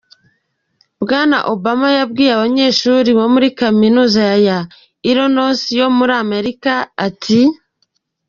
Bwana Obama yabwiye abanyeshuri bo kuri kaminuza ya Illinois yo muri Amerika ati:.